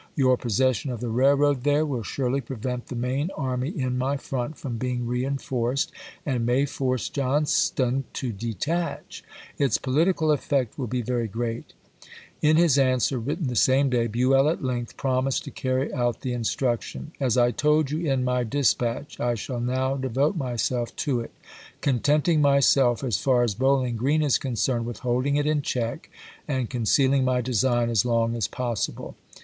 Your possession of the railroad there will surely prevent the main army in my front from being reenforced EAST TENNESSEE 73 and may force Johnston to detach. Its political chap. iv. effect will be very erreat." In his answer, written toBueitr , T . Ti , 1 .1 • 1 j^ Jan. 13, 1862. the same day, BueU at length promised to carry w. r. voi. out the instruction. "As I told you in my dis patch, I shaU now devote myself to it, contenting myself, as far as BowUng Green is concerned, with holding it in check and concealing my design as long as possible."